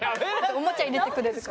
おもちゃ入れてくれる。